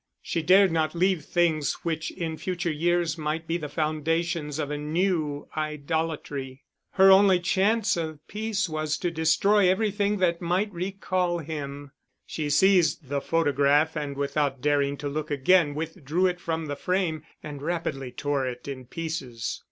She dared not leave things which in future years might be the foundations of a new idolatry. Her only chance of peace was to destroy everything that might recall him. She seized the photograph and without daring to look again, withdrew it from the frame and rapidly tore it in pieces.